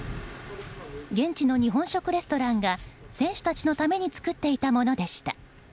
現地の日本食レストランが選手たちのために作っていたものでした。